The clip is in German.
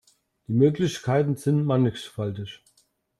Die Möglichkeiten sind mannigfaltig.